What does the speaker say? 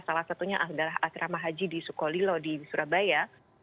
salah satunya adalah asrama haji di sukolilo di surabaya